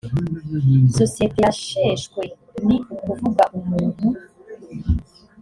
sosiyete yasheshwe ni ukuvuga umuntu